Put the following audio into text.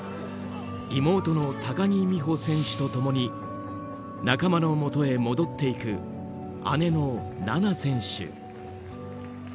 妹の高木美帆選手と共に仲間の元へ戻っていく姉の菜那選手。